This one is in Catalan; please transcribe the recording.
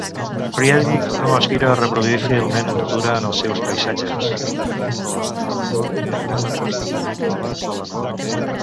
Friedrich no aspira a reproduir fidelment la natura en els seus paisatges.